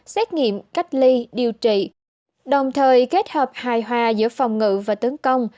xét nghiệm cách ly điều trị đồng thời kết hợp hài hòa giữa phòng ngự và tấn công